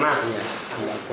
kenapa itu saya tidak tahu